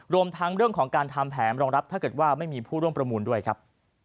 รวมทั้งเรื่องของการทำแผนรองรับถ้าเกิดว่าไม่มีผู้ร่วมประมูลด้วยครับ